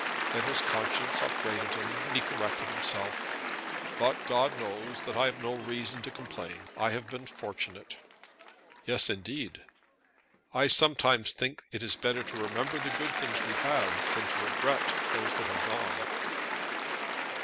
Then his conscience upbraided him, and he corrected himself. "But, God knows that I have no reason to complain. I have been fortunate." "Yes, indeed." "I sometimes think it is better to remember the good things we have than to regret those that are gone."